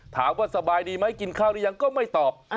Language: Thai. ถามว่าสบายดีไหมกินข้าวได้ยังก็ไม่ตอบ